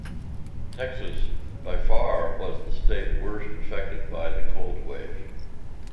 Texas by far was the state worst affected by the cold wave.